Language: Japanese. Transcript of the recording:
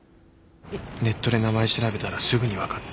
ネットで名前調べたらすぐにわかって。